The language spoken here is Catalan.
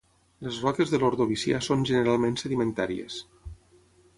Les roques de l'Ordovicià són generalment sedimentàries.